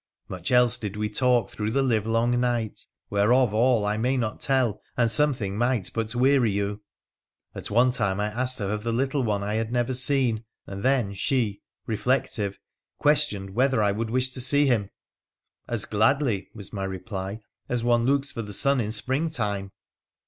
Much else did we talk through the livelong night, whereof all I may not tell, and something might but weary you. At one time I asked her of the little one I had never seen, and then she, reflective, questioned whether I would wish to see him. ' As gladly,' was my reply, ' as one looks for the sun in spring time.'